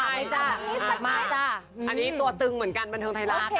อันนี้ตัวตึงเหมือนกันบรรเทิงไทยล่าค่ะ